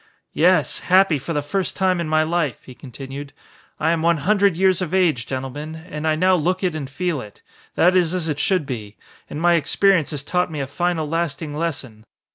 "Yes, happy for the first time in my life," he continued. "I am one hundred years of age, gentlemen, and I now look it and feel it. That is as it should be. And my experience has taught me a final lasting lesson.